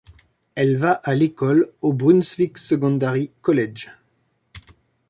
Elle va à l'école au Brunswick Secondary College.